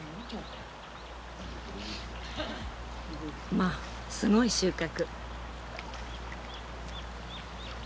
まあすごい収穫！